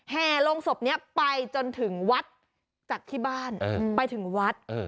แห่ลงศพนี้ไปจนถึงวัดจากที่บ้านไปถึงวัด